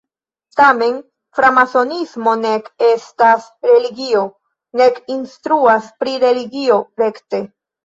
Tamen, framasonismo nek estas religio, nek instruas pri religio rekte.